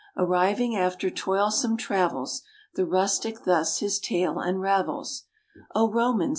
Arriving after toilsome travels, The rustic thus his tale unravels: "O Romans!